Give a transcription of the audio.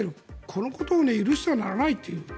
このことを許してはならないという。